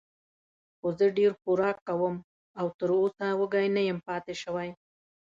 خو زه ډېر خوراک کوم او تراوسه وږی نه یم پاتې شوی.